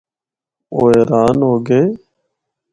او حیران ہو گئے۔